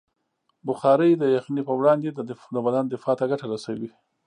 بخاري د یخنۍ پر وړاندې د بدن دفاع ته ګټه رسوي.